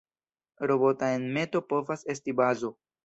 Robota enmeto povas esti bazo.